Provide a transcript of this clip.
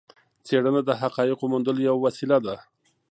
څېړنه د حقایقو موندلو یوه وسيله ده.